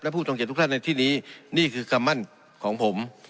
ผู้ทรงเกียจทุกท่านในที่นี้นี่คือคำมั่นของผม